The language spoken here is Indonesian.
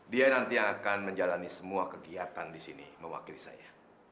dia nanti akan menjalani semua kegiatan di sini mewakili saya